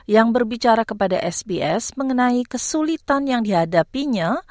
yang berbicara kepada sbs mengenai kesulitan yang dihadapinya